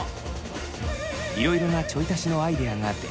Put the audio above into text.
いろいろなちょい足しのアイデアが出ました。